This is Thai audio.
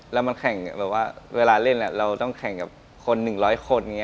แล้วมันแข่งแบบว่าเวลาเล่นเราต้องแข่งกับคน๑๐๐คน